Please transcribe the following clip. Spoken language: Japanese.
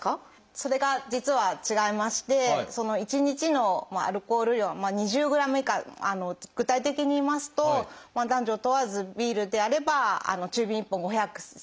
それが実は違いまして１日のアルコール量２０ｇ以下具体的に言いますと男女問わずビールであれば中瓶１本５００ｃｃ以内。